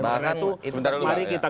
bahkan itu mari kita